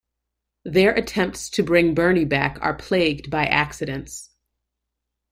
Their attempts to bring Bernie back are plagued by accidents.